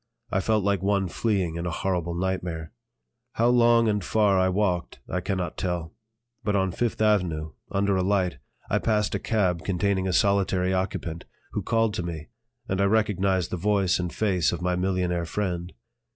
I felt like one fleeing in a horrible nightmare. How long and far I walked I cannot tell; but on Fifth Avenue, under a light, I passed a cab containing a solitary occupant, who called to me, and I recognized the voice and face of my millionaire friend.